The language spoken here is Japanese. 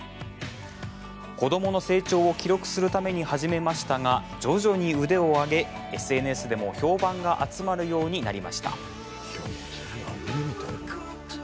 子どもの成長を記録するために始めましたが、徐々に腕を上げＳＮＳでも評判が集まるようになりました。